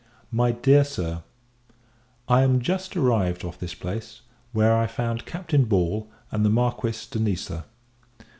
MY DEAR SIR, I am just arrived off this place; where I found Captain Ball, and the Marquis de Niza.